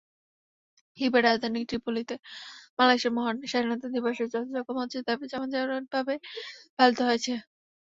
লিবিয়ার রাজধানী ত্রিপোলিতে বাংলাদেশের মহান স্বাধীনতা দিবস যথাযোগ্য মর্যাদায় জমজমাটভাবে পালিত হয়েছে।